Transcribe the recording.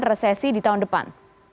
resesi di tahun depan